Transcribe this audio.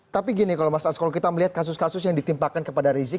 tapi gini kalau mas ars kalau kita melihat kasus kasus yang ditimpakan kepada rizik